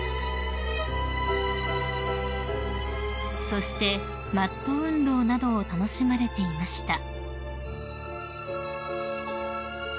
［そしてマット運動などを楽しまれていました］